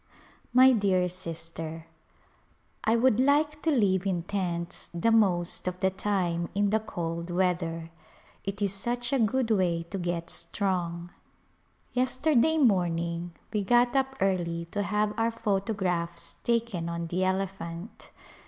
My dear Sister : I would like to live in tents the most of the time in the cold weather; it is such a good way to get strong. Yesterday morning we got up early to have our photographs taken on the elephant.